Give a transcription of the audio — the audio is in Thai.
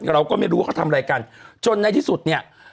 เราก็ไม่รู้ว่าเขาทำอะไรกันจนในที่สุดเนี่ย